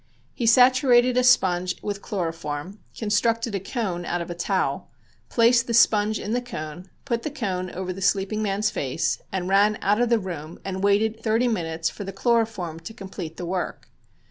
He saturated a sponge with chloroform, constructed a cone out of a towel, placed the sponge in the cone, put the cone over the sleeping man's face and ran out of the room and waited thirty minutes for the chloroform to complete the work.